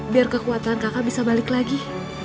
biar kekuatan kakak bisa balik lagi